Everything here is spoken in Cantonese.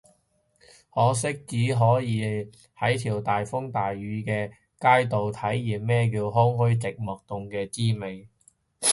可惜只可以喺條大風大雨嘅街度體驗咩叫空虛寂寞凍嘅滋味